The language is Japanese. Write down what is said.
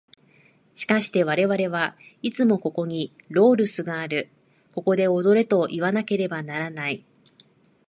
しかして我々はいつもここにロードゥスがある、ここで踊れといわなければならない。